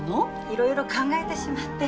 いろいろ考えてしまって。